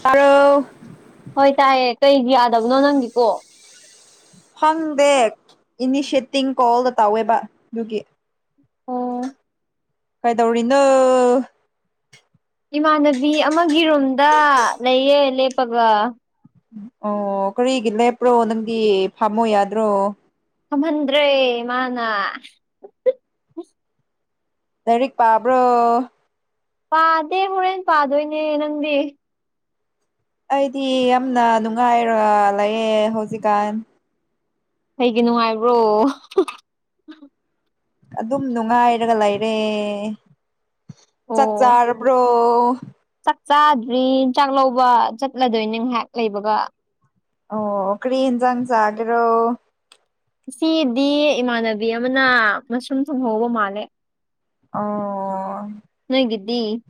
ꯇꯔꯣ ꯍꯣꯏ ꯇꯥꯏꯌꯦ ꯀꯩꯒꯤ ꯌꯥꯗꯕꯅꯣ ꯅꯪꯒꯤꯀꯣ ꯈꯪꯗꯦ ꯏꯅꯤꯁꯦꯇꯤꯡ ꯀꯣꯜꯗ ꯇꯧꯋꯦꯕꯥ ꯑꯗꯨꯒꯤ ꯑꯣ ꯀꯩꯗꯧꯔꯤꯅꯣ ꯏꯃꯥꯟꯅꯕꯤ ꯑꯃꯒꯤ ꯔꯨꯝꯗ ꯂꯩꯌꯦ ꯂꯦꯞꯄꯒ ꯎꯝ ꯑꯣ ꯀꯔꯤꯒꯤ ꯂꯦꯞꯄ꯭ꯔꯣ ꯅꯪꯗꯤ ꯐꯝꯃꯣ ꯌꯥꯗ꯭ꯔꯣ ꯐꯝꯍꯟꯗ꯭ꯔꯦ ꯃꯥꯅꯥ [unintelligible] ꯂꯥꯢꯔꯤꯛ ꯄꯥꯕ꯭ꯔꯣ ꯄꯥꯗꯦ ꯍꯨꯔꯦꯟ ꯄꯥꯗꯣꯏꯅꯦ ꯅꯪꯗꯤ ꯑꯩꯗꯤ ꯌꯝꯅ ꯅꯨꯡꯉꯥꯏꯔ ꯂꯩꯌꯦ ꯍꯧꯖꯤꯛꯀꯥꯟ ꯀꯩꯒꯤ ꯅꯨꯡꯉꯥꯏꯕ꯭ꯔꯣ [unintelligible] ꯑꯗꯨꯝ ꯅꯨꯡꯉꯥꯏꯔꯒ ꯂꯩꯔꯦ ꯑꯣ ꯆꯥꯛ ꯆꯥꯔꯕ꯭ꯔꯣ ꯆꯥꯛ ꯆꯥꯗ꯭ꯔꯤ ꯆꯥꯛ ꯂꯧꯕ ꯆꯠꯂꯗꯣꯏꯅꯦ ꯉ꯭ꯍꯥꯛ ꯂꯩꯕꯒꯥ ꯑꯣ ꯀꯔꯤ ꯍꯤꯟꯖꯥꯡ ꯆꯥꯒꯦꯔꯣ ꯉꯁꯤꯗꯤ ꯏꯃꯥꯟꯅꯕꯤ ꯑꯃꯅꯥ ꯃꯁ꯭ꯔꯨꯝ ꯊꯣꯡꯍꯧꯕ ꯃꯥꯜꯂꯦ ꯑꯣ ꯗꯤ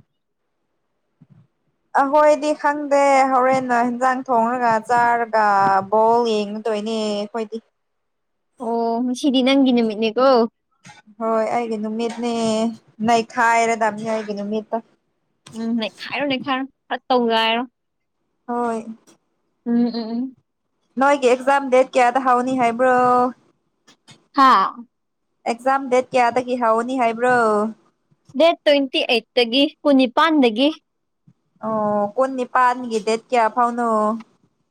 ꯑꯍꯣꯏꯗꯤ ꯈꯪꯗꯦ ꯍꯧꯔꯦꯟꯅ ꯍꯤꯟꯖꯥꯡ ꯊꯣꯡꯔꯒꯥ ꯆꯥꯔꯒꯥ ꯕꯣꯜ ꯌꯦꯡ ꯇꯣꯏꯅꯦ ꯑꯩꯈꯣꯏꯗꯤ ꯑꯣ ꯉꯁꯤꯗꯤ ꯅꯪꯒꯤ ꯅꯨꯃꯤꯠꯅꯦꯀꯣ ꯍꯣꯏ ꯑꯩꯒꯤ ꯅꯨꯃꯤꯠꯅꯦ ꯅꯩꯈꯥꯏꯔꯗꯕꯅꯦ ꯑꯩꯒꯤ ꯅꯨꯃꯤꯠꯇ ꯎꯝ ꯅꯩꯈꯥꯏꯔꯣ ꯅꯈꯥꯏꯔꯣ ꯈꯔ ꯇꯧꯒꯥꯏꯔꯣ ꯍꯣꯏ ꯎꯝ ꯎꯝ ꯅꯣꯏꯒꯤ ꯑꯦꯛꯖꯥꯝ ꯗꯦꯠ ꯀꯌꯥꯗ ꯍꯧꯅꯤ ꯍꯥꯏꯕ꯭ꯔꯣ ꯍꯥꯥ ꯑꯦꯛꯖꯥꯝ ꯗꯦꯠ ꯀꯌꯥꯗꯒꯤ ꯍꯧꯅꯤ ꯍꯥꯏꯕ꯭ꯔꯣ ꯗꯦꯠ ꯇ꯭ꯋꯦꯟꯇꯤ ꯑꯩꯠꯇꯒꯤ ꯀꯨꯟꯅꯤꯄꯥꯥꯟꯗꯒꯤ ꯑꯣ ꯀꯨꯟꯅꯤ ꯄꯥꯟꯒꯤ ꯗꯦꯠ ꯀꯌꯥ ꯐꯥꯎꯅꯣ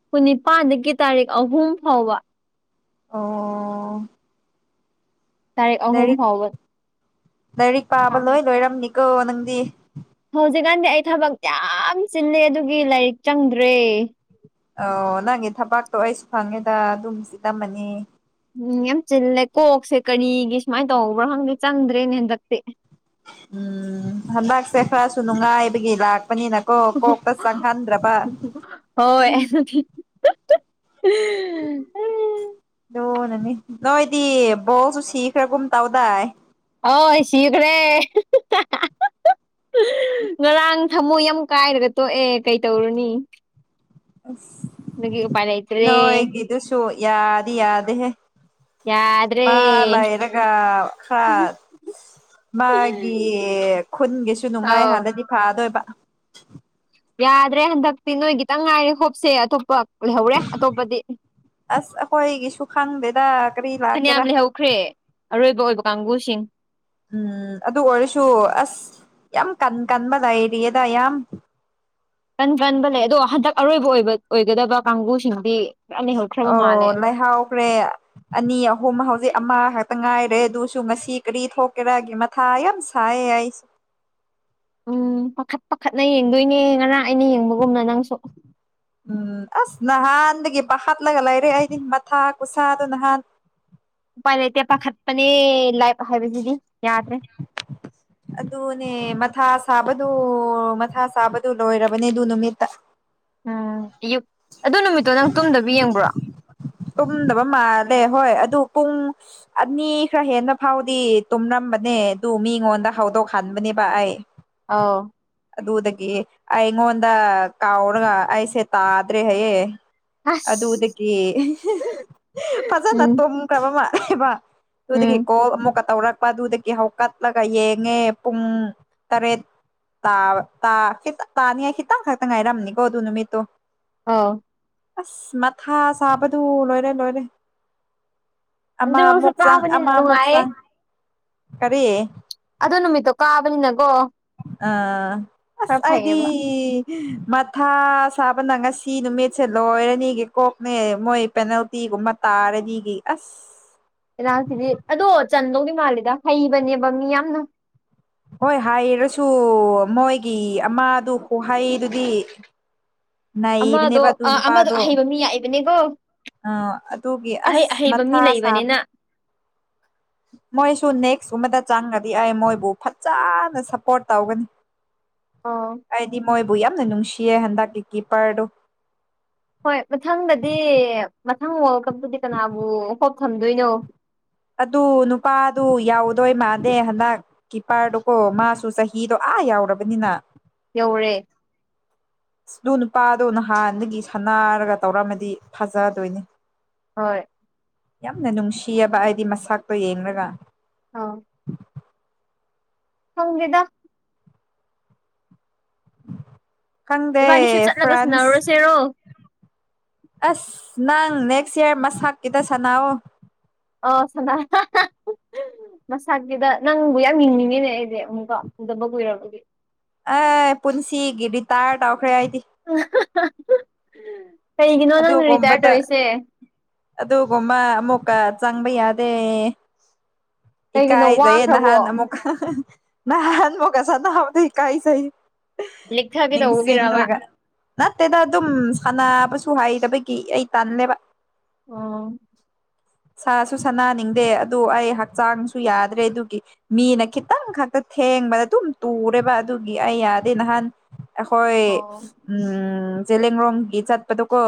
ꯀꯨꯟꯅꯤ ꯄꯥꯥꯟꯗꯒꯤ ꯇꯥꯔꯤꯛ ꯑꯍꯨꯝ ꯐꯥꯎꯕ ꯑꯣ ꯇꯔꯤꯛ ꯑꯍꯨꯝ ꯂꯥꯏꯔꯤꯛ ꯐꯥꯎꯕ ꯂꯥꯏꯔꯤꯛ ꯄꯥꯕ ꯂꯣꯏ ꯂꯣꯏꯔꯝꯅꯤꯀꯣ ꯅꯪꯗꯤ ꯍꯧꯖꯤꯛꯀꯥꯟꯗꯤ ꯑꯩ ꯊꯕꯛ ꯌꯥꯝ ꯆꯤꯜꯂꯦ ꯑꯗꯨꯒꯤ ꯂꯥꯏꯔꯤꯛ ꯆꯪꯗ꯭ꯔꯦ ꯑꯣ ꯅꯪꯒꯤ ꯊꯕꯥꯛꯇꯣ ꯑꯩꯁꯨ ꯈꯪꯉꯦꯗ ꯑꯗꯨꯝ ꯆꯤꯜꯂꯝ ꯃꯅꯤ ꯎꯝ ꯌꯥꯝ ꯆꯤꯜꯂꯦ ꯀꯣꯛꯁꯦ ꯀꯔꯤꯒꯤ ꯁꯨꯃꯥꯏꯅ ꯇꯧꯕ꯭ꯔꯣ ꯈꯪꯗꯦ ꯆꯪꯗ꯭ꯔꯦꯅꯦ ꯍꯟꯗꯛꯇꯤ ꯎꯝ ꯍꯟꯗꯛꯁꯦ ꯈꯔꯁꯨ ꯅꯨꯡꯉꯥꯏꯕꯒꯤꯂꯥꯛ ꯆꯠꯄꯅꯤꯅ ꯀꯣ ꯀꯣꯛꯇ ꯆꯪꯍꯟꯗ꯭ꯔꯕ ꯍꯣꯏ ꯑꯗꯨꯗꯤ ꯂꯨꯅ ꯅꯣꯏꯗꯤ ꯕꯣꯜꯁꯨ ꯁꯤꯈ꯭ꯔꯒꯨꯝ ꯇꯧꯗꯥꯏ ꯍꯣꯏ ꯁꯤꯈꯔꯦ [inaudible] ꯉꯔꯥꯡ ꯊꯃꯣꯏ ꯌꯥꯝ ꯀꯥꯏꯔꯒ ꯇꯣꯛꯑꯦ ꯀꯩ ꯇꯧꯔꯨꯅꯤ ꯑꯁ ꯑꯗꯨꯒꯤ ꯎꯄꯥꯏ ꯂꯩꯇ꯭ꯔꯦ ꯅꯣꯏꯒꯤꯗꯨꯁꯨ ꯌꯥꯗꯤ ꯌꯥꯗꯦꯍꯦ ꯌꯥꯗ꯭ꯔꯦ ꯃꯥꯂꯩꯔꯒ ꯈꯔ ꯃꯥꯒꯤ ꯈꯨꯟꯒꯤꯁꯨ ꯅꯨꯡꯉꯥꯏ ꯑꯧ ꯍꯥꯟꯅꯗꯤ ꯐꯥꯗꯣꯏꯕ ꯌꯥꯗ꯭ꯔꯦ ꯍꯟꯗꯛꯇꯤ ꯅꯣꯏ ꯒꯤꯇꯪ ꯉꯥꯏꯔꯦ ꯍꯣꯞꯁꯦ ꯑꯇꯣꯞꯄ ꯂꯩꯍꯧꯔꯦ ꯑꯇꯣꯞꯄꯗꯤ ꯑꯁ ꯑꯩꯈꯣꯏꯒꯤꯁꯨ ꯈꯪꯗꯦꯗ ꯀꯔꯤ ꯂꯥꯛꯀꯦꯔꯥ ꯀꯪꯒꯨꯁꯤꯡ ꯎꯝ ꯑꯗꯨ ꯑꯣꯏꯔꯁꯨ ꯑꯁ ꯌꯥꯝ ꯌꯥꯝ ꯀꯟ ꯀꯟꯕꯂꯩꯔꯤꯌꯦꯗ ꯌꯥꯝ ꯀꯟ ꯀꯟꯕ ꯂꯩ ꯑꯗꯣ ꯍꯟꯗꯛ ꯑꯔꯣꯏꯕ ꯑꯣꯏꯕ ꯑꯣꯏꯒꯗꯕ ꯀꯥꯡꯕꯨꯁꯤꯡꯗꯤ ꯈꯔ ꯂꯩꯍꯧꯈ꯭ꯔꯕ ꯃꯥꯜꯂꯦ ꯑꯣ ꯂꯩꯥꯍꯧꯈ꯭ꯔꯦ ꯑꯅꯤ ꯑꯍꯨꯝ ꯍꯧꯖꯤꯛ ꯑꯃ ꯈꯛꯇ ꯉꯥꯏꯔꯦ ꯑꯗꯨꯁꯨ ꯉꯁꯤ ꯀꯔꯤ ꯊꯣꯛꯀꯦꯔꯥꯒꯤ ꯃꯊꯥ ꯌꯥꯝ ꯁꯥꯏꯌꯦ ꯑꯩꯁꯨ ꯎꯝ ꯄꯥꯈꯠ ꯄꯥꯈꯠꯅ ꯌꯦꯡꯗꯣꯏꯅꯦ ꯉꯔꯥꯡ ꯑꯩꯅ ꯌꯦꯡꯕꯒꯨꯝꯅ ꯅꯪꯁꯨ ꯎꯝ ꯑꯁ ꯅꯍꯥꯟꯗꯒꯤ ꯄꯈꯠꯂꯒ ꯂꯩꯔꯦ ꯑꯩꯗꯤ ꯃꯊꯥ ꯀꯨꯁꯥꯗꯣ ꯅꯍꯥꯟ ꯎꯄꯥꯏ ꯂꯩꯇꯦ ꯄꯥꯈꯠꯄꯅꯦ ꯂꯥꯏꯕ ꯍꯥꯏꯕꯁꯤꯗꯤ ꯌꯥꯗ꯭ꯔꯦ ꯑꯗꯨꯅꯦ ꯃꯊꯥ ꯁꯥꯕꯗꯨ ꯃꯊꯥ ꯁꯥꯕꯗꯨ ꯂꯣꯏꯔꯕꯅꯦ ꯑꯗꯨ ꯅꯨꯃꯤꯠꯇ ꯎꯝ ꯑꯌꯨꯛ ꯑꯗꯨ ꯅꯨꯃꯤꯠꯇꯣ ꯅꯪ ꯇꯨꯝꯗꯕꯤ ꯌꯦꯡꯕ꯭ꯔꯣ ꯇꯨꯝꯗꯕ ꯃꯥꯜꯂꯦ ꯍꯣꯏ ꯑꯗꯨ ꯄꯨꯡ ꯑꯅꯤ ꯈꯔ ꯍꯦꯟꯅ ꯐꯥꯎꯗꯤ ꯇꯨꯝꯂꯃ ꯕꯅꯦ ꯑꯗꯨ ꯃꯤꯉꯣꯟꯗ ꯍꯧꯗꯣꯛꯍꯟꯕꯅꯦꯕ ꯑꯩ ꯑꯥꯎ ꯑꯗꯨꯗꯒꯤ ꯑꯩꯉꯣꯟꯗ ꯀꯥꯎꯔꯒ ꯑꯩꯁꯦ ꯇꯥꯗ꯭ꯔꯦ ꯍꯥꯏꯌꯦ ꯑꯁ ꯑꯗꯨꯗꯒꯤ ꯐꯖꯅ ꯎꯝ ꯇꯨꯝꯈ꯭ꯔꯕ ꯃꯥꯜꯂꯦꯕ ꯎꯝ ꯑꯗꯨꯗꯒꯤ ꯀꯣꯜ ꯑꯃꯨꯛꯀ ꯇꯩꯔꯛ ꯄ ꯑꯗꯨꯗꯒꯤ ꯍꯧꯀꯠꯂꯒ ꯌꯦꯡꯉꯦ ꯄꯨꯡ ꯇꯔꯦꯠ ꯇꯥꯕ ꯇꯥ ꯈꯤꯇꯪ ꯇꯥꯅꯤꯉꯥꯏ ꯈꯤꯇꯪꯈꯇꯪ ꯉꯥꯏꯔꯝꯅꯤꯀꯣ ꯑꯗꯨ ꯅꯨꯃꯤꯠꯇꯣ ꯑꯥ ꯑꯁ ꯃꯊꯥ ꯁꯥꯕꯗꯨ ꯂꯣꯏꯔꯦ ꯂꯣꯏꯔꯦ ꯑꯃ ꯑꯗꯨꯁꯨ ꯑꯃꯨꯛ ꯆꯪ ꯀꯥꯕꯅꯤꯅ ꯑꯃ ꯑꯃꯨꯛ ꯅꯨꯡꯉꯥꯏꯌꯦ ꯆꯪ ꯀꯔꯤ ꯑꯗꯣ ꯅꯨꯃꯤꯠꯇꯣ ꯀꯥꯕꯅꯤꯅꯀꯣ ꯑꯥ ꯑ꯭ꯁ ꯈꯔ ꯑꯩꯗꯤ ꯐꯩꯌꯦꯕ ꯃꯊꯥ ꯁꯥꯕꯅ ꯉꯁꯤ ꯅꯨꯃꯤꯠꯁꯦ ꯂꯣꯏꯔꯅꯤꯒꯤ ꯀꯣꯛꯅꯦ ꯃꯣꯏ ꯄꯦꯅꯥꯜꯇꯤ ꯒꯨꯝꯃ ꯇꯥꯔꯗꯤꯒꯤ ꯑ꯭ꯁ ꯄꯦꯅꯥꯜꯇꯤꯗꯤ ꯑꯗꯣ ꯆꯟꯗꯧꯅꯤ ꯃꯥꯜꯂꯤꯗ ꯍꯩꯕꯅꯦꯕ ꯃꯤ ꯌꯥꯝꯅ ꯍꯣꯏ ꯍꯥꯏꯔꯁꯨ ꯃꯣꯏꯒꯤ ꯑꯃꯗꯨ ꯈꯨ ꯍꯩꯗꯨꯗꯤ ꯑꯃꯗꯣ ꯑꯥ ꯑꯃꯗꯣ ꯑꯍꯩꯕ ꯃꯤ ꯌꯥꯥꯛꯏꯕꯅꯦꯀꯣ ꯑ ꯑꯗꯨꯒꯤ ꯑ꯭ꯁ ꯃꯊꯥ ꯂꯩꯕꯅꯤꯅ ꯁꯥꯕꯅꯤ ꯃꯣꯏꯁꯨ ꯅꯦꯛꯁ ꯀꯨꯝꯕꯗ ꯆꯪꯉ꯭ꯔꯗꯤ ꯑꯩ ꯃꯣꯏꯕꯨ ꯐꯖꯟꯅ ꯁꯞꯄꯣꯔꯠ ꯇꯧꯒꯅꯤ ꯑ ꯑꯩꯗꯤ ꯃꯣꯏꯕꯨ ꯌꯥꯝꯅ ꯅꯨꯡꯁꯤꯌꯦ ꯍꯟꯗꯛꯀꯤ ꯀꯤꯞꯄ꯭ꯔꯗꯨ ꯍꯣꯏ ꯃꯊꯪꯗꯗꯤ ꯃꯊꯪ ꯋꯥ꯭ꯔꯜ ꯀꯞꯇꯗꯤ ꯀꯅꯥꯕꯨ ꯍꯣꯞ ꯊꯝꯗꯣꯏꯅꯣ ꯑꯗꯨ ꯅꯨꯄꯥꯗꯨ ꯌꯥꯎꯗꯣꯏ ꯃꯥꯥꯟꯗꯦ ꯍꯟꯗꯛ ꯀꯤꯄ꯭ꯔꯗꯨꯀꯣ ꯃꯥꯁꯨ ꯆꯍꯤꯗꯣ ꯑꯥ ꯑꯥ ꯌꯥꯎꯔꯕꯅꯤꯅ ꯌꯧꯔꯦ ꯗꯨ ꯅꯨꯄꯥꯗꯣ ꯅꯍꯥꯟꯗꯒꯤ ꯁꯥꯟꯅꯔꯒ ꯇꯧꯔꯝꯃꯗꯤ ꯐꯖꯗꯣꯏꯅꯤ ꯍꯣꯏ ꯌꯥꯝꯅ ꯅꯨꯡꯁꯤꯌꯦꯕ ꯑꯩꯗꯤ ꯃꯁꯛꯇꯣ ꯌꯦꯡꯔꯒ ꯑꯥ ꯈꯪꯗꯦꯗ ꯈꯪꯗꯦ ꯏꯕꯥꯅꯤꯁꯨ ꯆꯠꯂꯒ ꯁꯟꯅꯧꯔ ꯁꯦꯔꯣ ꯑ꯭ꯁ ꯅꯪ ꯅꯦꯛꯁ ꯌ꯭ꯔ ꯃꯁꯥꯛꯀꯤꯗ ꯁꯥꯟꯅꯥꯑꯣ ꯑ ꯁꯥꯅ ꯍꯥ ꯍꯥ ꯃꯁꯥꯀꯤꯗ ꯅꯪꯕꯨ ꯌꯥꯝ ꯌꯦꯡꯅꯤꯡꯉꯤꯅꯦ ꯑꯩꯗꯤ ꯑꯃꯨꯛꯀꯥ ꯎꯗꯕ ꯀꯨꯏꯔꯕꯒꯤ ꯑꯥ ꯄꯨꯟꯁꯤꯒꯤ ꯔꯤꯇꯥꯏꯔ ꯇꯧꯈ꯭ꯔꯦ ꯑꯩꯗꯤ ꯀꯩꯒꯤꯅꯣ ꯅꯪꯅ ꯔꯤꯇꯥꯌꯔ ꯑꯗꯨꯒꯨꯝꯕꯗ ꯇꯧꯔꯤꯁꯦ ꯑꯗꯨꯒꯨꯝꯕ ꯑꯃꯨꯛꯀ ꯆꯪꯕ ꯌꯥꯗꯦ ꯀꯩꯒꯤꯅꯣ ꯏꯀꯥꯏꯖꯩꯌꯦ ꯋꯥꯈ꯭ꯔꯕꯣ ꯅꯍꯥꯟꯑꯃꯨꯛ ꯅꯍꯥꯟ ꯃꯨꯛ ꯑꯁꯥ ꯅꯥꯕꯗ ꯏꯀꯥꯏ ꯆꯩ ꯂꯤꯛꯊꯒꯦ ꯇꯧꯕꯒꯤꯔꯕ ꯅꯤꯡꯁꯤꯡꯔꯒ ꯅꯠꯇꯦꯗ ꯑꯗꯨꯝ ꯁꯥꯅ꯭ꯕ ꯇꯨ ꯍꯥꯏꯗꯕꯒꯤ ꯑꯩ ꯇꯜꯂꯦꯕ ꯑꯣ ꯁꯥꯁꯨ ꯁꯥꯟꯅꯅꯤꯡꯗꯦ ꯑꯗꯨ ꯑꯩ ꯍꯛꯆꯥꯡꯁꯨ ꯌꯥꯗ꯭ꯔꯦ ꯑꯗꯨꯒꯤ ꯃꯤꯅ ꯈꯤꯇꯪ ꯈꯛꯇ ꯊꯦꯡꯕꯗ ꯗꯨꯝ ꯇꯨꯔꯦꯕ ꯑꯗꯨꯒꯤ ꯑꯩ ꯌꯥꯗꯦ ꯅꯍꯥꯟ ꯑꯈꯣꯏ ꯑꯣ ꯎꯝ ꯖꯦꯂꯦꯡꯔꯣꯡꯒꯤ ꯆꯠꯄꯗꯀꯣ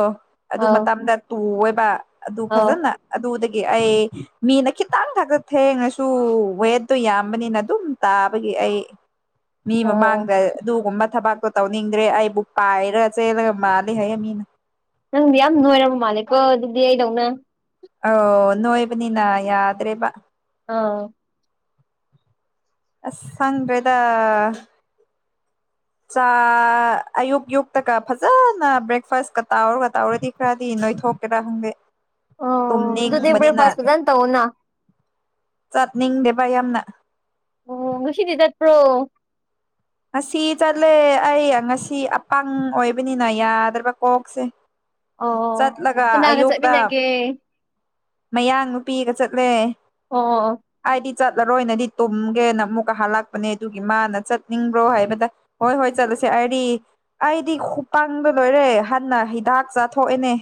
ꯑꯗꯨ ꯑꯧ ꯃꯇꯝꯗ ꯇꯨꯋꯦꯕꯥ ꯑꯗꯨ ꯑꯧ ꯐꯖꯟꯅ ꯑꯗꯨꯨꯗꯒꯤ ꯑꯩ ꯃꯤꯅ ꯈꯤꯇꯪ ꯈꯛꯇ ꯊꯦꯡꯉꯁꯨ ꯋꯦꯠꯇꯣ ꯌꯥꯝꯕꯅꯤꯅ ꯑꯗꯨꯝ ꯇꯥ ꯇꯥꯕꯒꯤ ꯑꯩ ꯃꯤ ꯑꯣ ꯃꯃꯥꯡꯗ ꯑꯗꯨꯒꯨꯝꯕ ꯊꯕꯛ ꯇꯣ ꯇꯧꯅꯤꯡꯗ꯭ꯔꯦ ꯑꯩꯕꯨ ꯄꯥꯏꯔ ꯆꯦꯜꯂꯒ ꯃꯥꯜꯂꯤ ꯍꯥꯏꯌꯦ ꯃꯤꯅ ꯅꯪꯗꯤ ꯌꯥꯝ ꯅꯣꯏꯔꯕ ꯃꯥꯜꯂꯦꯀꯣ ꯑꯗꯨꯗꯤ ꯑꯩꯗꯧꯅ ꯑꯧ ꯅꯣꯏꯕꯅꯤꯅ ꯌꯥꯗ꯭ꯔꯦꯕ ꯑꯧ ꯑ꯭ꯁ ꯁꯪꯗ꯭ꯔꯦꯗ ꯆꯥ ꯑꯌꯨꯛ ꯌꯨꯛꯇꯒ ꯐꯖꯅ ꯕ꯭ꯔꯦꯛꯐꯥꯁꯀ ꯇꯥꯎꯔꯒ ꯇꯧꯎꯔꯗꯤ ꯈ꯭ꯔꯗꯤ ꯅꯣꯏ ꯊꯣꯛꯀꯦꯔꯥ ꯈꯪꯗꯦ ꯑꯣ ꯑꯗꯨꯗꯤ ꯇꯨꯝꯅꯤꯡꯕꯅꯤꯅ ꯕ꯭ꯔꯦꯛꯐꯥꯁ ꯐꯖꯅ ꯇꯧꯑꯣꯅ ꯆꯠꯅꯤꯡꯗꯦꯕ ꯌꯥꯝꯅ ꯑꯣ ꯉꯁꯤꯗꯤ ꯆꯠꯄ꯭ꯔꯣ ꯉꯁꯤ ꯆꯠꯂꯦ ꯑꯩ ꯉꯁꯤ ꯑꯄꯪ ꯑꯣꯏꯕꯅꯤꯅ ꯌꯥꯗ꯭ꯔꯕ ꯀꯣꯛꯁꯦ ꯑꯣ ꯆꯠꯂꯒ ꯀꯅꯥꯒ ꯑꯌꯨꯛꯇ ꯆꯠꯃꯤꯟꯅꯒꯦ ꯃꯌꯥꯡ ꯅꯨꯄꯤꯒ ꯆꯠꯂꯦ ꯑꯣ ꯑꯣ ꯑꯣ ꯑꯩꯗꯤ ꯆꯠꯂꯔꯣꯏꯅꯗꯤ ꯇꯨꯝꯒꯦꯅ ꯑꯃꯨꯛꯀ ꯍꯜꯂꯛꯄꯅꯦ ꯑꯗꯨꯒꯤ ꯃꯥꯅ ꯆꯠꯅꯤꯡꯕ꯭ꯔꯣ ꯍꯥꯏꯕꯗ ꯍꯣꯏ ꯍꯣꯏ ꯆꯠꯂꯁꯤ ꯁꯦ ꯑꯩꯗꯤ ꯑꯩꯗꯤ ꯈꯨꯄꯪꯗꯣ ꯂꯣꯏꯔꯦ ꯍꯟꯅ ꯍꯤꯗꯥꯛ ꯆꯥꯊꯣꯛꯑꯦꯅꯦ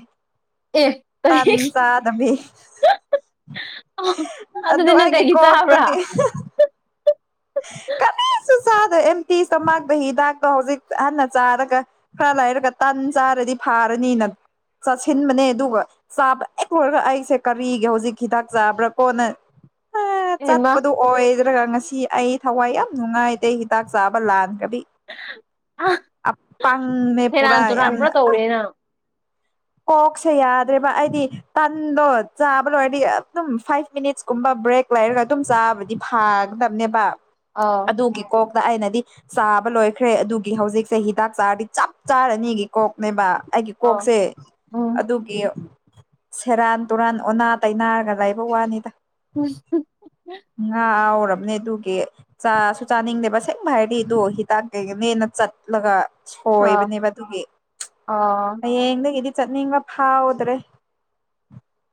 ꯑꯦ ꯀꯔꯤ ꯇꯟ ꯆꯥꯗꯕꯤ ꯑꯗꯨ ꯑꯗꯨꯗꯤ ꯅꯪ ꯑꯩꯒꯤ ꯀꯩꯒꯤ ꯆꯥꯕ꯭ꯔꯥ ꯀꯣꯛꯇꯨꯗꯤ [unintelligible] ꯑꯗꯣ ꯑꯦꯝꯇꯤ ꯁ꯭ꯇꯣꯃꯥꯛꯇ ꯍꯤꯗꯥꯛꯇꯣ ꯍꯧꯖꯤꯛ ꯍꯟꯅ ꯆꯥꯔꯒ ꯈꯔ ꯂꯩꯥꯏꯔꯒ ꯇꯟ ꯆꯥꯔꯗꯤ ꯐ ꯐꯔꯅꯤ ꯅꯪ ꯆꯥꯁꯤꯟꯕꯅꯦ ꯑꯗꯨꯒ ꯆꯥꯕ ꯍꯦꯛ ꯂꯣꯏꯔꯒ ꯑꯩꯁꯦ ꯀꯔꯤꯒ ꯍꯧꯖꯤꯛ ꯍꯤꯗꯥꯛ ꯆꯥꯕ꯭ꯔ ꯀꯣꯅ ꯑ ꯍꯩꯃꯥ ꯆꯠꯄꯗꯨ ꯑꯣꯏꯗ꯭ꯔꯒ ꯉꯁꯤ ꯑꯩ ꯊꯋꯥꯏ ꯌꯥꯝ ꯅꯨꯡꯉꯥꯏꯇꯦ ꯍꯤꯗꯥꯛ ꯆꯥꯕ ꯂꯥꯟ ꯀꯕꯤ ꯑꯄꯪꯅꯦ ꯁꯦꯔꯥꯟ ꯄꯨꯔꯥ ꯇꯨꯔꯥꯟ ꯄꯨꯔꯥ ꯌꯥꯝꯅ ꯑ ꯇꯧꯔꯦ ꯅꯪ ꯀꯣꯛꯁꯦ ꯌꯥꯗ꯭ꯔꯦꯕ ꯑꯩꯗꯤ ꯇꯟꯗꯣ ꯆꯥꯕ ꯂꯣꯏꯔꯗꯤ ꯑꯗꯨꯝ ꯐꯥꯏꯚ ꯃꯤꯅꯤꯠꯁ ꯀꯨꯝꯕ ꯕ꯭ꯔꯦꯛ ꯂꯩꯔꯒ ꯑꯗꯨꯝ ꯆꯥꯕꯗꯤ ꯐꯥꯒꯗꯕꯅꯦꯕ ꯑꯥꯎ ꯑꯗꯨꯒꯤꯀꯣꯛ ꯑꯗ ꯑꯩꯅꯗꯤ ꯆꯥꯕ ꯂꯣꯏꯈ꯭ꯔꯦ ꯑꯗꯨꯒꯤ ꯍꯧꯖꯤꯛꯁꯦ ꯍꯤꯗꯥꯛ ꯆꯥꯔꯗꯤ ꯆꯞ ꯆꯥꯔꯅꯤꯒꯤ ꯀꯣꯛꯅꯦꯕ ꯑꯩꯒꯤ ꯀꯣꯛꯁꯦ ꯎꯝ ꯑꯗꯨꯒꯤ ꯁꯦꯔꯥꯟ ꯇꯨꯔꯥꯟ ꯑꯣꯅꯥ ꯇꯩꯅꯥꯔꯒ ꯂꯩꯕ ꯋꯥꯅꯤꯗ [unintelligible] ꯔꯕꯅꯦ ꯑꯗꯨꯒꯤ ꯆꯥꯁꯨ ꯆꯥꯅꯤꯡꯗꯦꯕ ꯑꯁꯦꯡꯕ ꯍꯥꯏꯔꯗꯤ ꯑꯗꯨ ꯍꯤꯗꯥꯛ ꯀꯩꯒꯅꯦꯅ ꯆꯠꯂꯒ ꯑꯥ ꯁꯣꯏꯕꯅꯦꯕ ꯑꯗꯨꯒꯤ ꯑꯥ ꯍꯌꯦꯡꯗꯒꯤꯗꯤ ꯆꯠꯅꯤꯡꯕ ꯐꯥꯎꯗ꯭ꯔꯦ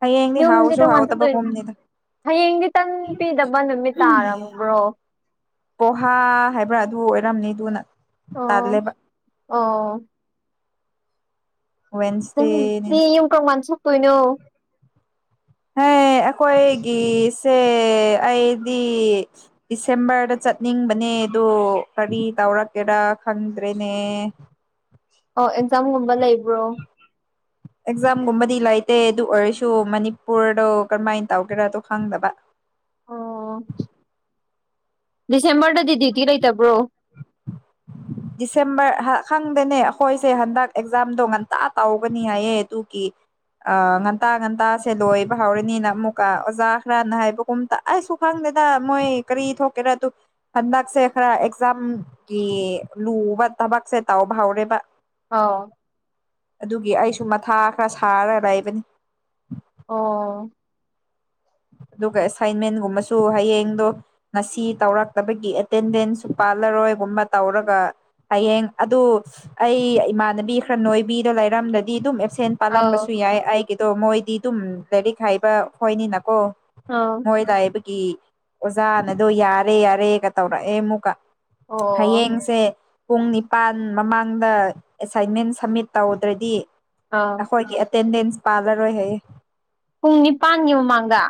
ꯍꯌꯦꯡꯗꯤ ꯌꯨꯝꯗꯤ ꯍꯥꯎꯁꯨ ꯀꯔꯝꯀꯥꯟ ꯆꯠꯇꯣꯏꯅꯣ ꯍꯥꯎꯗꯕꯒꯨꯝꯅꯤꯗ ꯍꯌꯦꯡꯗꯤ ꯇꯟ ꯄꯤꯗꯕ ꯅꯨꯃꯤꯠ ꯇꯥꯔꯝꯕ꯭ꯔꯣ ꯄꯣꯍꯥ ꯍꯥꯏꯕ꯭ꯔꯥ ꯑꯗꯨ ꯑꯣꯏꯔꯝꯅꯤ ꯑꯗꯨꯅ ꯑꯣ ꯇꯥꯜꯂꯦꯕ ꯑꯣ ꯅꯪ ꯗꯤ ꯋꯦꯟꯁꯗꯦꯅꯤꯅ ꯌꯨꯝ ꯀꯔꯝꯀꯥꯟ ꯆꯠꯇꯨꯏꯅꯣ ꯍꯩ ꯑꯩꯈꯣꯏꯒꯤꯁꯦ ꯑꯩꯗꯤ ꯗꯤꯁꯦꯝꯕꯔꯗ ꯆꯠ ꯆꯠꯅꯤꯡꯕꯅꯦ ꯑꯗꯨ ꯀꯔꯤ ꯇꯧꯔꯛꯀꯦꯔ ꯈꯪꯗ꯭ꯔꯦꯅꯦ ꯑꯣ ꯑꯦꯛꯖꯥꯝꯒꯨꯝꯕ ꯂꯩꯕ꯭ꯔꯣ ꯑꯦꯛꯖꯥꯝꯒꯨꯝꯕꯗꯤ ꯂꯩꯇꯦ ꯑꯗꯨ ꯑꯣꯏꯔꯁꯨ ꯃꯅꯤꯄꯨꯔꯗꯣ ꯀꯔꯃꯥꯏ ꯇꯧꯒꯦꯔꯗꯣ ꯈꯪꯗꯕ ꯑꯣ ꯗꯤꯁꯦꯝꯕꯔꯗꯗꯤ ꯗ꯭ꯌꯨꯇꯤ ꯂꯩꯇꯕ꯭ꯔꯣ [unintelligible] ꯗꯤꯁꯦꯝꯕꯔ ꯍꯥ ꯈꯪꯗꯦꯅꯦ ꯑꯩꯈꯣꯏꯁꯦ ꯍꯟꯗꯛ ꯑꯦꯛꯖꯥꯝꯗꯣ ꯉꯟꯇꯥ ꯇꯧꯒꯅꯤ ꯍꯥꯏꯌꯦ ꯑꯗꯨꯒꯤ ꯑꯣ ꯉꯟꯇꯥ ꯉꯟꯇꯥꯁꯦ ꯂꯣꯏꯕ ꯍꯧꯔꯅꯤꯅ ꯑꯃꯨꯛꯀ ꯑꯣꯖꯥ ꯈꯔꯅ ꯍꯥꯏꯕꯒꯨꯝ ꯇꯥꯏ ꯑꯩꯁꯨ ꯈꯪꯗꯦ ꯍꯦꯛꯇ ꯃꯣꯏ ꯀꯔꯤ ꯊꯣꯛꯀꯦꯔ ꯑꯗꯨ ꯍꯟꯗꯛꯁꯦ ꯈꯔ ꯑꯦꯛꯖꯥꯝꯒꯤ ꯂꯨꯕ ꯇꯕꯛꯁꯦ ꯇꯧꯕꯍꯧꯔꯦꯕ ꯑꯥꯎ ꯑꯗꯨꯒꯤ ꯑꯩꯁꯨ ꯃꯊꯥ ꯈꯔ ꯁꯥꯔ ꯂꯩꯕꯅꯤ ꯑꯣ ꯑꯗꯨꯒ ꯑꯦꯁꯥꯏꯟꯃꯦꯟꯒꯨꯝꯕꯁꯨ ꯍꯌꯦꯡꯗꯣ ꯉꯁꯤ ꯇꯧꯔꯛꯇꯕꯒꯤ ꯑꯦꯇꯦꯟꯗꯦꯟꯁꯁꯨ ꯄꯥ ꯍꯜꯂꯔꯣꯏꯒꯨꯝꯕ ꯇꯧꯔꯒ ꯍꯌꯦꯡ ꯑꯗꯨ ꯑꯩ ꯏꯃꯥꯟꯅꯕꯤ ꯈꯔ ꯅꯣꯏꯕꯤꯗꯣ ꯂꯩꯔꯝꯗ꯭ꯔꯗꯤ ꯑꯗꯨꯝ ꯑꯦꯕ ꯁꯦꯟ ꯑꯥꯎ ꯄꯥꯜꯂꯝꯕꯁꯨ ꯌꯥꯏ ꯑꯩꯒꯤꯗꯣ ꯃꯣꯏꯗꯤ ꯑꯗꯨꯝ ꯂꯥꯏꯔꯤꯛ ꯍꯩꯕ ꯍꯣꯏꯅꯤꯅꯀꯣ ꯑꯥꯎ ꯃꯣꯏ ꯂꯩꯕꯒꯤ ꯑꯣꯖꯥꯅꯗꯣ ꯌꯥꯔꯦ ꯌꯥꯔꯦꯒ ꯇꯧꯔꯛꯑꯦ ꯑꯃꯨꯛꯀ ꯑꯣ ꯍꯌꯦꯡꯁꯦ ꯄꯨꯡ ꯅꯤꯄꯥꯟ ꯃꯃꯥꯡꯗ ꯑꯦꯁꯥꯏꯟꯃꯦꯟ ꯁꯝꯃꯤꯠ ꯇꯧꯗ꯭ꯔꯗꯤ ꯑꯥ ꯑꯩꯈꯣꯏꯒꯤ ꯑꯦꯇꯦꯟꯗꯦꯟꯁ ꯄꯥꯜꯂꯔꯣꯏ ꯍꯥꯏꯌꯦ ꯄꯨꯡ ꯅꯤꯄꯥꯥꯟꯒꯤ ꯃꯃꯥꯡꯗ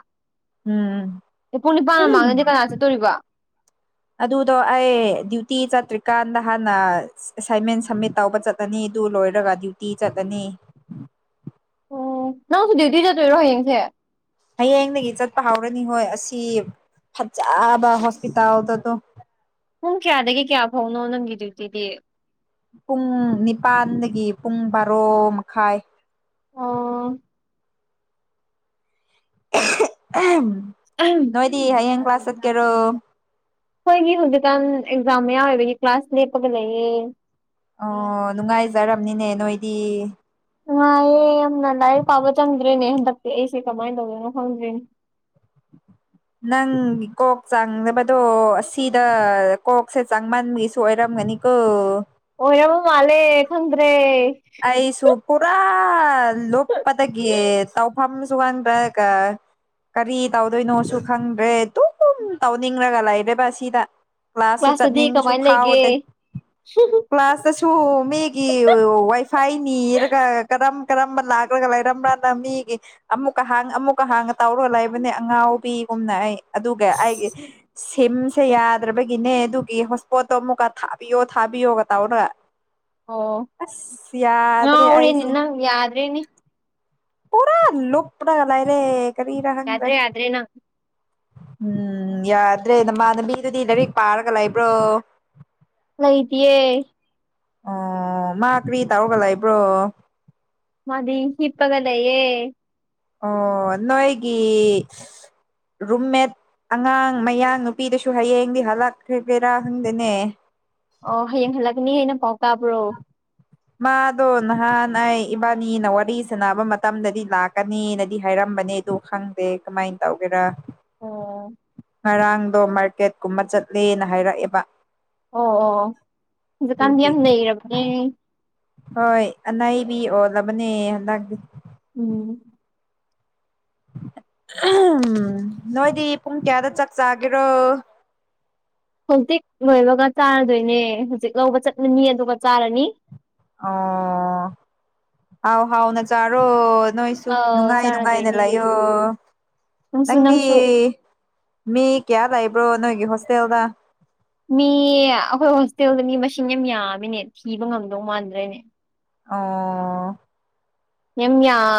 ꯎꯝ ꯄꯨꯡ ꯅꯤꯄꯥꯟ ꯃꯃꯥꯡꯗꯗꯤ ꯀꯅꯥ ꯆꯠꯇꯣꯔꯤꯕ ꯑꯗꯨꯗꯣ ꯑꯩ ꯗ꯭ꯌꯨꯇꯤ ꯆꯠꯇ꯭ꯔꯤꯀꯥꯟꯗ ꯍꯥꯟꯅ ꯑꯦꯁꯥꯏꯟꯃꯦꯟ ꯁꯝꯃꯤꯠ ꯇꯧꯕ ꯆꯥꯠꯂꯅꯤ ꯑꯗꯨ ꯂꯣꯏꯔꯒ ꯗ꯭ꯌꯨꯇꯤ ꯆꯥꯠꯂꯅꯤ ꯎꯝ ꯅꯪꯁꯨ ꯗ꯭ꯌꯨꯇꯤ ꯆꯠꯇꯣꯏꯔꯣ ꯍꯌꯦꯡꯁꯦ ꯍꯌꯦꯡꯗꯒꯤ ꯆꯥꯠꯄ ꯍꯧꯔꯅꯤ ꯍꯣꯏ ꯑꯁꯤ ꯐꯖꯥꯕ ꯍꯣꯁꯄꯤꯇꯥꯜꯗꯗꯣ ꯄꯨꯡ ꯀꯌꯥꯗꯒꯤ ꯀꯌꯥ ꯐꯧꯅꯣ ꯅꯪꯒꯤ ꯗ꯭ꯌꯨꯇꯤꯗꯤ ꯄꯨꯡ ꯅꯤꯄꯥꯟꯗꯒꯤ ꯄꯨꯡ ꯕꯥꯔꯣ ꯃꯈꯥꯏ ꯑꯣ ꯑꯩꯈꯣꯏꯒꯤ ꯅꯣꯏꯗꯤ ꯍꯌꯦꯡ ꯀ꯭ꯂꯥꯁ ꯆꯠꯀꯦꯔꯣ ꯑꯩꯈꯣꯏꯒꯤ ꯍꯧꯖꯤꯛꯀꯥꯟ ꯑꯦꯛꯖꯥꯝ ꯃꯌꯥꯑꯣꯏꯕꯒꯤ ꯀ꯭ꯂꯥꯁ ꯂꯦꯞꯄꯒ ꯂꯩꯌꯦ ꯑꯣ ꯅꯨꯡꯉꯥꯏꯖꯔꯝꯅꯤꯅꯦ ꯅꯣꯏꯗꯤ ꯅꯨꯡꯉꯥꯏꯌꯦ ꯌꯥꯝꯅ ꯂꯥꯏꯔꯤꯛ ꯄꯥꯕ ꯆꯪꯗ꯭ꯔꯦꯅꯦ ꯍꯟꯗꯛꯇꯤ ꯑꯩꯁꯦ ꯀꯃꯥꯏꯅ ꯇꯧꯗꯣꯏꯅꯣ ꯈꯪꯗ꯭ꯔꯦꯅꯦ [inaudible] ꯅꯪꯒꯤ ꯀꯣꯛ ꯆꯥꯡꯗꯕꯗꯣ ꯑꯁꯤꯗ ꯀꯣꯛꯁꯦ ꯆꯥꯡꯃꯟꯕꯒꯤꯁꯨ ꯑꯣꯏꯔꯝꯒꯅꯤ ꯀꯣ ꯑꯣꯏꯔꯕ ꯃꯥꯂꯦ ꯈꯪꯗ꯭ꯔꯦ ꯑꯩꯁꯨ ꯄꯨꯔꯥ ꯂꯨꯞꯄꯗꯥꯒꯤ ꯇꯧꯐꯝꯁꯨꯨ ꯈꯪꯗꯔꯒ ꯀꯔꯤ ꯇꯧꯗꯣꯏꯅꯣꯁꯨ ꯈꯪꯗ꯭ꯔꯦ ꯑꯗꯨꯝ ꯇꯧꯅꯤꯡꯂꯒ ꯂꯩꯔꯦꯕ ꯑꯁꯤꯗ ꯀ꯭ꯂꯥꯁꯁꯨꯨ ꯀ꯭ꯂꯥꯁꯇꯗꯤ ꯆꯠꯅꯤꯡꯕꯁꯨ ꯀꯃꯥꯏꯅ ꯂꯩꯒꯦ ꯐꯥꯎꯗꯦ ꯀ꯭ꯂꯥꯁꯇ ꯇꯨ ꯃꯤꯒꯤ ꯋꯥꯏꯐ ꯐꯏ ꯅꯤꯔꯒ ꯀꯔꯝ ꯀꯔꯝꯕ ꯂꯥꯛꯔꯒ ꯂꯩꯔꯝꯕ꯭ꯔꯥꯅ ꯃꯤꯒꯤ ꯑꯃꯨꯛꯀ ꯍꯥꯡ ꯑꯃꯨꯛꯀ ꯍꯥꯡꯉ ꯇꯧꯔ ꯂꯩꯕꯅꯦ ꯑꯉꯥꯎꯕꯤꯒꯨꯝꯅ ꯑꯩ ꯑꯗꯨꯒ ꯑꯩꯒꯤ ꯁꯤꯝꯁꯦ ꯌꯥꯗ꯭ꯔꯕꯒꯤꯅꯦ ꯑꯗꯨꯒꯤ ꯍꯣꯁꯄꯣꯠꯇꯣ ꯑꯃꯨꯛꯀ ꯊꯥꯕꯤꯌꯣ ꯊꯥꯕꯤꯌꯣꯒ ꯇꯧꯔꯒ ꯑꯣ ꯑꯁ ꯌꯥꯗ꯭ꯔꯦ ꯉꯥꯎꯔꯦꯅꯦ ꯅꯪ ꯌꯥꯗ꯭ꯔꯦꯅꯦ ꯄꯨꯔꯥ ꯂꯨꯞꯔꯒ ꯂꯩꯔꯦ ꯀꯔꯤꯔ ꯈꯪꯗ꯭ꯔꯦ ꯌꯥ꯭ꯗꯔꯦ ꯌꯥ꯭ꯗꯔꯦ ꯅꯪ ꯎꯝ ꯌꯥꯗ꯭ꯔꯦ ꯅꯃꯅꯕꯤꯗꯨꯗꯤ ꯂꯥꯏꯔꯤꯛ ꯄꯥꯔꯒ ꯂꯩꯕ꯭ꯔꯣ ꯂꯩꯇꯤꯌꯦ ꯑꯣ ꯃꯥ ꯀꯔꯤ ꯇꯧꯔꯒ ꯂꯩꯕ꯭ꯔꯣ ꯃꯥꯗꯤ ꯍꯤꯞꯄꯒ ꯂꯩꯌꯦ ꯑꯣ ꯅꯣꯏꯒꯤ ꯔꯨꯝꯃꯦꯠ ꯑꯉꯥꯡ ꯃꯌꯥꯡ ꯅꯨꯄꯤꯗꯨꯁꯨ ꯍꯌꯦꯡꯗꯤ ꯍꯜꯂꯛꯈ꯭ꯔꯦꯒꯦꯔꯥ ꯈꯪꯗꯦꯅꯦ ꯑꯣ ꯍꯥꯌꯦꯡ ꯍꯥꯜꯂꯛꯒꯅꯤ ꯍꯥꯏꯅ ꯄꯥꯎ ꯇꯕ꯭ꯔꯣ ꯃꯥꯗꯣ ꯅꯍꯥꯟ ꯑꯩ ꯏꯕꯥꯅꯤꯅ ꯋꯥꯔꯤ ꯁꯥꯟꯅꯕ ꯃꯇꯝꯗꯗꯤ ꯂꯥꯛꯀꯅꯤꯅꯗꯤ ꯍꯥꯏꯔꯝ ꯕꯅꯦ ꯑꯗꯨ ꯈꯪꯗꯦ ꯀꯃꯥꯏꯅ ꯇꯧꯒꯦꯔꯥ ꯑꯣ ꯉꯔꯥꯡꯗꯣ ꯃꯥꯔꯀꯦꯠ ꯀꯨꯝꯕ ꯆꯠꯂꯦꯅ ꯍꯥꯏꯔꯛꯑꯦꯕ ꯑꯣ ꯑꯣ ꯍꯧꯖꯤꯛꯀꯥꯟꯗꯤ ꯑꯗꯨꯒꯤ ꯌꯥꯝ ꯅꯩꯔꯕꯅꯦ ꯍꯣꯏ ꯑꯅꯩꯕꯤ ꯑꯣꯜꯂꯕꯅꯦ ꯍꯟꯗꯛꯇꯤ ꯎꯝ [inaudible] ꯎꯝ ꯅꯣꯏꯗꯤ ꯄꯨꯡ ꯀꯌꯥꯗ ꯆꯥꯛ ꯆꯥꯒꯦꯔꯣ ꯍꯧꯖꯤꯛ ꯂꯣꯏꯔꯒ ꯆꯥꯔꯗꯣꯏꯅꯦ ꯍꯧꯖꯤꯛ ꯂꯧꯕ ꯆꯠꯂꯅꯤ ꯑꯗꯨꯒ ꯆꯥꯔꯅꯤ ꯑꯣ ꯍꯥꯎ ꯍꯥꯎꯅ ꯆꯔꯣ ꯅꯣꯏꯁꯨ ꯑꯧ ꯅꯨꯡꯉꯥꯏ ꯅꯨꯡꯉꯥꯏꯅ ꯆꯥꯔꯗꯣꯏꯅꯦ ꯂꯩꯌꯣ ꯅꯪꯁꯨ ꯅꯪꯗꯤ ꯅꯪꯁꯨ ꯃꯤ ꯀꯌꯥ ꯂꯩꯕ꯭ꯔꯣ ꯅꯣꯏꯒꯤ ꯍꯣꯁꯇꯦꯜꯗ ꯃꯤ ꯑꯩꯈꯣꯏ ꯍꯣꯁꯇꯦꯜꯗ ꯃꯤ ꯃꯁꯤꯡ ꯌꯥꯝ ꯌꯥꯝꯃꯤꯅꯦ ꯊꯤꯕ ꯉꯝꯗꯧ ꯃꯥꯟꯗ꯭ꯔꯦꯅꯦ ꯑꯣ ꯌꯥꯝ ꯌꯥꯝ